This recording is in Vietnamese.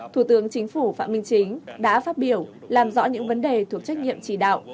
thủ tướng chính phủ phạm minh chính đã phát biểu làm rõ những vấn đề thuộc trách nhiệm chỉ đạo